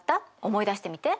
思い出してみて。